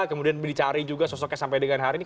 kemudian dicari juga sosoknya sampai dengan hari ini